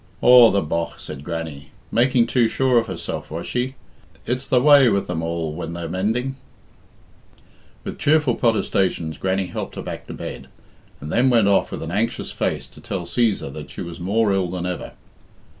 "Aw, the bogh!" said Grannie. "Making too sure of herself, was she? It's the way with them all when they're mending." With cheerful protestations Grannie helped her back to bed, and then went off with an anxious face to tell Cæsar that she was more ill than ever.